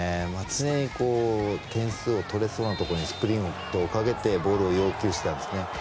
常に点数を取れそうなところにスプリントをかけてボールを要求していましたね。